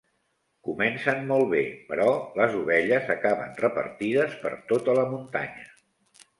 Comencen molt bé, però les ovelles acaben repartides per tota la muntanya.